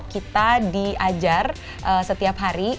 kita diajar setiap hari